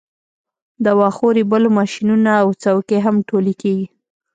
د واښو ریبلو ماشینونه او څوکۍ هم ټولې کیږي